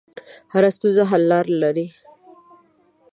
هره ستونزه حل لاره لري.